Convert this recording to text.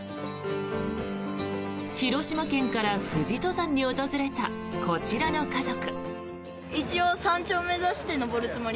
広島県から富士登山に訪れたこちらの家族。